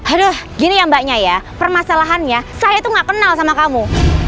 aduh gini ya mbaknya ya permasalahannya saya tuh gak kenal sama kamu